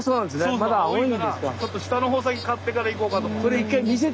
まだ青いから下の方先刈ってから行こうかと思って。